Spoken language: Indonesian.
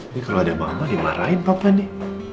nih kalau ada mama dimarahin papa nih